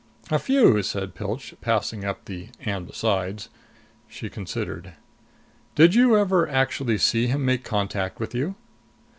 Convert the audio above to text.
"A few," said Pilch, passing up the "and besides " She considered. "Did you ever actually see him make contact with you?"